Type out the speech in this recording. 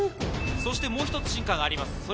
そしてもう一つ進化があります。